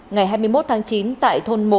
ngày hai mươi một tháng chín tại thôn một